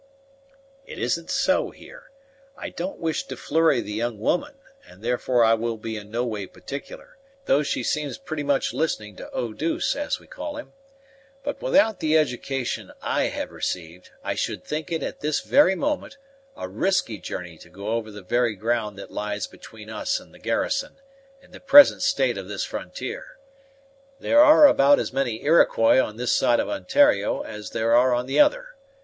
"It isn't so here. I don't wish to flurry the young woman, and therefore I will be in no way particular, though she seems pretty much listening to Eau douce, as we call him; but without the edication I have received, I should think it at this very moment, a risky journey to go over the very ground that lies between us and the garrison, in the present state of this frontier. There are about as many Iroquois on this side of Ontario as there are on the other.